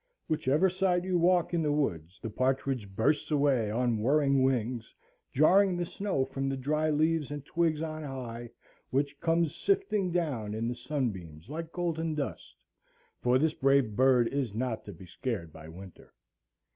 Whichever side you walk in the woods the partridge bursts away on whirring wings, jarring the snow from the dry leaves and twigs on high, which comes sifting down in the sun beams like golden dust; for this brave bird is not to be scared by winter.